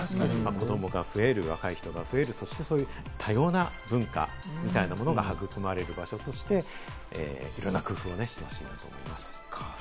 子どもが増える、若い人が増える、そして多様な文化が育まれる場所として、いろんな工夫をしてほしいと思います。